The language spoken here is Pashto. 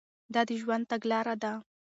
دا د ژوند تګلاره ده.